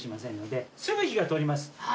すぐ火が通ります。